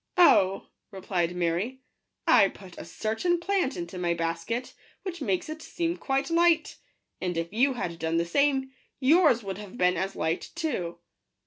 " Oh," replied Mary, " I put a certain plant into my basket, which makes it seem quite light ; and if you had done the same, yours would have been as light too."